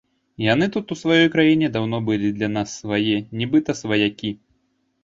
Яны тут, у сваёй краіне, даўно былі для нас свае, нібыта сваякі.